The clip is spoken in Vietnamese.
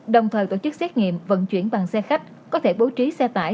đồng thời tổ chức xét nghiệm vận chuyển bằng xe khách có thể bố trí xe tải